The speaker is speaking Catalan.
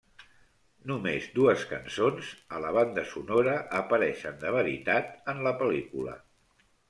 Només dues cançons a la banda sonora apareixen de veritat en la pel·lícula.